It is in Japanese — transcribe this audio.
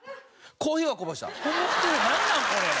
コーヒーはこぼした。